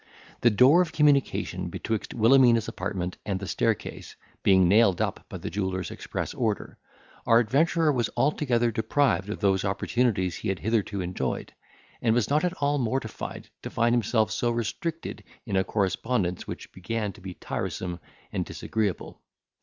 The door of communication betwixt Wilhelmina's apartment and the staircase being nailed up by the jeweller's express order, our adventurer was altogether deprived of those opportunities he had hitherto enjoyed, and was not at all mortified to find himself so restricted in a correspondence which began to be tiresome and disagreeable.